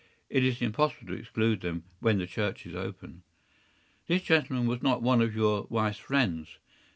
It is impossible to exclude them when the church is open.” “This gentleman was not one of your wife’s friends?